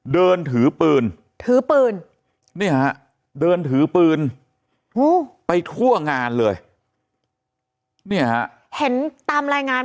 เดินถือปืนถือปืนเนี่ยฮะเดินถือปืนฮู้ไปทั่วงานเลย